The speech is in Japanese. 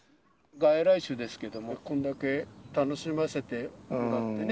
外来種ですけども、こんだけ楽しませてもらってね。